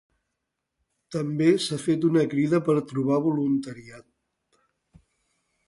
També s’ha fet una crida per trobar voluntariat.